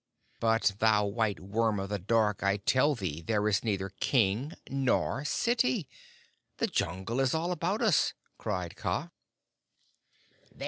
"But, thou white worm of the dark, I tell thee there is neither king nor city! The Jungle is all about us!" cried Kaa.